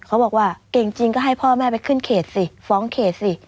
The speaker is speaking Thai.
เขาบอกว่าเก่งจริงก็ให้พ่อแม่ไปขึ้นเขตสิฟ้องเขตสิ